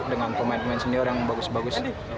dengan pemain pemain senior yang bagus bagus